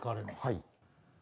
はい。